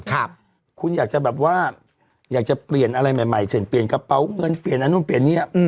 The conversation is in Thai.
คุณอยากจะแบบว่าอยากจะเปลี่ยนอะไรใหม่ใหม่เช่นเปลี่ยนกระเป๋าเงินเปลี่ยนอันนู่นเปลี่ยนเนี่ย